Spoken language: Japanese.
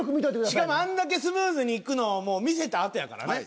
しかもあんだけスムーズにいくのを見せたあとやからね。